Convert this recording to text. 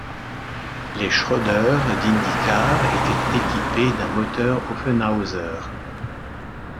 Les Schroeder d'IndyCar étaient équipées d'un moteur Offenhauser.